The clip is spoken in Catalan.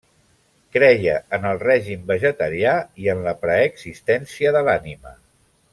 Creia en el règim vegetarià i en la preexistència de l'ànima.